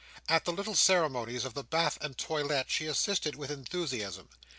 At the little ceremonies of the bath and toilette, she assisted with enthusiasm.